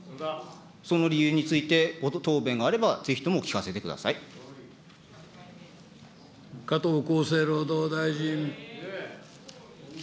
その理由について答弁があれば、加藤厚生労働大臣。